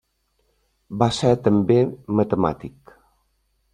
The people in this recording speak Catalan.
Va ser també matemàtic.